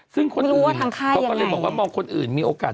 ซึ่งคนรู้ว่าเขาก็เลยบอกว่ามองคนอื่นมีโอกาส